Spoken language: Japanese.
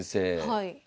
はい。